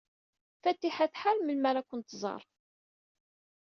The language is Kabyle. Fatiḥa tḥar melmi ara ken-tẓer.